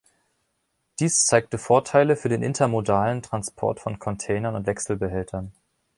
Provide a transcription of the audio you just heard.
Dies zeigte Vorteile für den intermodalen Transport von Containern und Wechselbehältern.